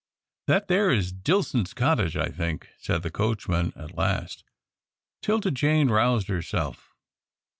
"That there is Dillson's cottage, I think," said the coachman at last. 'Tilda Jane roused herself.